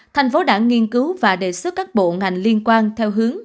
tp hcm đã nghiên cứu và đề xuất các bộ ngành liên quan theo hướng